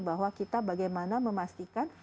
bahwa kita bagaimana memastikan